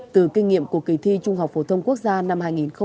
từ kinh nghiệm của kỳ thi trung học phổ thông quốc gia năm hai nghìn một mươi tám